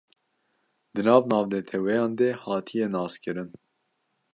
di nav navnetewayan de hatiye naskirin